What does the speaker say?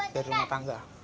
dari rumah tangga